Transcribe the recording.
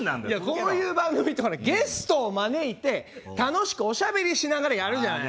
こういう番組ってゲストを招いて楽しくおしゃべりしながらやるじゃない。